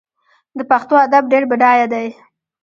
د پښتو ادب ډیر بډایه دی.